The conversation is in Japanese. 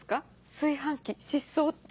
炊飯器失踪って。